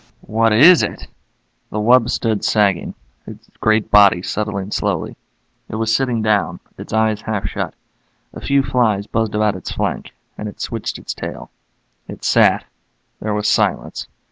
"What is it?" The wub stood sagging, its great body settling slowly. It was sitting down, its eyes half shut. A few flies buzzed about its flank, and it switched its tail. It sat. There was silence.